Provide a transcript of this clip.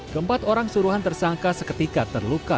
keempat orang suruhan tersangka seketika terluka